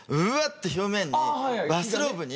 て表面に。